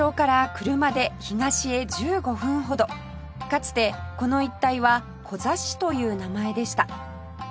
かつてこの一帯はコザ市という名前でした